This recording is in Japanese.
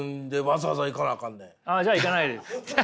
あっじゃあ行かないです。